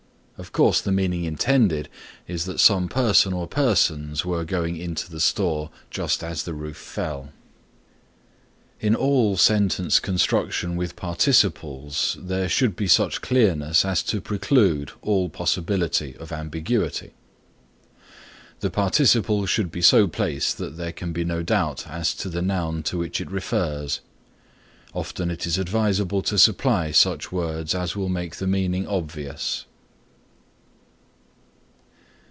Of course the meaning intended is that some person or persons were going into the store just as the roof fell. In all sentence construction with participles there should be such clearness as to preclude all possibility of ambiguity. The participle should be so placed that there can be no doubt as to the noun to which it refers. Often it is advisable to supply such words as will make the meaning obvious.